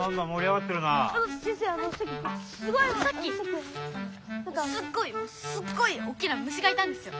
さっきすっごいすっごいおっきな虫がいたんですよ。